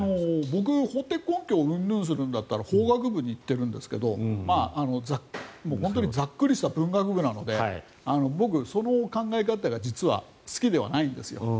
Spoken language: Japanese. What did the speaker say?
僕、法的根拠うんぬんというんだったら法学部に行ってるんですけど本当にざっくりした文学部なので僕、その考え方が実は好きではないんですよ。